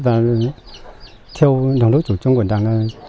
và theo đồng đội chủ trung của đảng